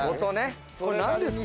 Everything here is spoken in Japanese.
これなんですか？